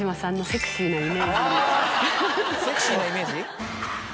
セクシーなイメージ？